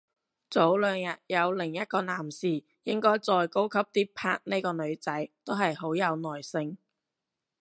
早兩日有另一個男士應該再高級啲拍呢個女仔，都係好有耐性